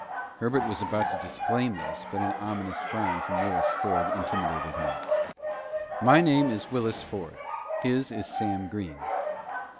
Herbert was about to disclaim this, but an ominous frown from Willis Ford intimidated him. "My name is Willis Ford; his is Sam Green."